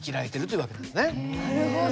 なるほど。